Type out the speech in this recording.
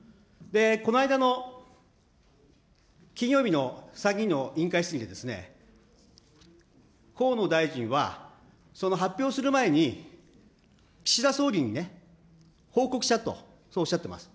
この間の金曜日の参議院の委員会質疑で、河野大臣はその発表する前に、岸田総理にね、報告したと、そうおっしゃってます。